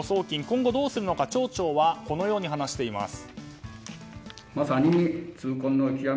今後どうするのか町長はこのように話しています。